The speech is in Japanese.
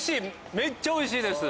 めっちゃおいしいです！